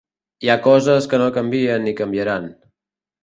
Hi ha coses que no canvien ni canviaran.